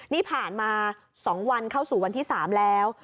นี่ผ่านมา๒วันเข้าสู่วันที่๓แล้ว